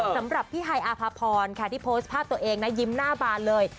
สำหรับพี่ฮายอาภาพรค่ะที่โพสต์ภาพตัวเองนะยิ้มหน้าบานเลย